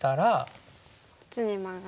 こっちにマガって。